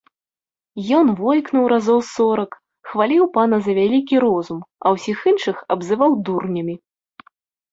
Ён войкнуў разоў сорак, хваліў пана за вялікі розум, а ўсіх іншых абзываў дурнямі.